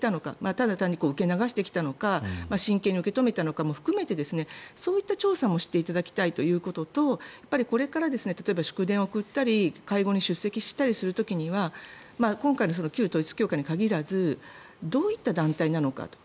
ただ単に受け流してきたのか真剣に受け止めてきたのかを含めてそういった調査もしていただきたいということとこれから祝電を送ったり会合に出席したりする時には今回の旧統一教会に限らずどういった団体なのかと。